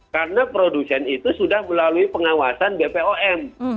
karena produsen itu sudah melalui pengawasan bepom